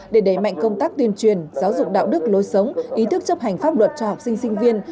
để đẩy mạnh công tác tuyên truyền giáo dục đạo đức lối sống ý thức chấp hành pháp luật cho học sinh sinh viên